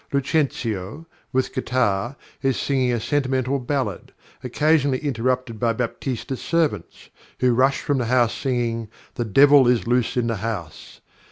Lucentio, with guitar, is singing a sentimental ballad, occasionally interrupted by Baptista's servants, who rush from the house singing "The Devil is loose in the house."